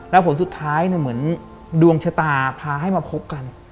แล้วผลสุดท้ายเหมือนดวงชะตาพาให้มาพบกัน